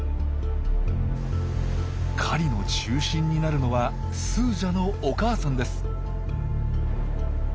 狩りの中心になるのはスージャのお母さんです。